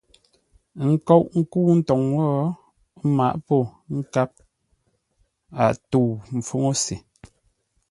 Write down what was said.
Ə́ nkóʼ ńkə́u ntoŋ wó, ə́ mǎʼ pô ńkáp, a tə̂u ḿpfúŋ se.